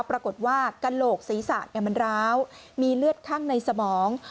ปรากฏว่ากระโหลกศีรษะมันร้าวมีเลือดข้างในสมอง